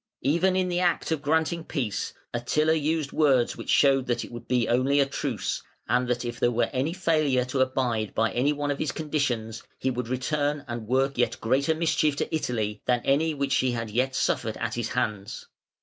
Even in the act of granting peace Attila used words which showed that it would be only a truce, and that (452) if there were any failure to abide by any one of his conditions, he would return and work yet greater mischief to Italy than any which she had yet suffered at his hands.